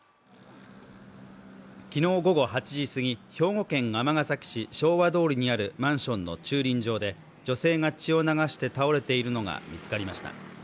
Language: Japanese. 昨日午後８時過ぎ、兵庫県尼崎市昭和通にあるマンションの駐輪場で女性が血を流して倒れているのが見つかりました。